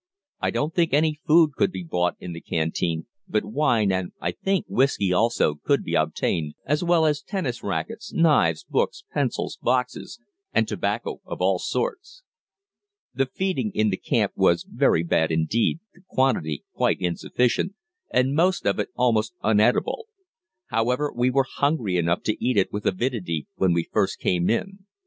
I don't think any food could be bought in the canteen, but wine, and, I think, whisky also, could be obtained, as well as tennis racquets, knives, books, pencils, boxes, and tobacco of all sorts. The feeding in the camp was very bad indeed, the quantity quite insufficient, and most of it almost uneatable. However, we were hungry enough to eat it with avidity when we first came in.